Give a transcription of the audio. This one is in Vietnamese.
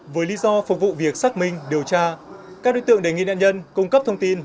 với lý do phục vụ việc xác minh điều tra các đối tượng đề nghị nạn nhân cung cấp thông tin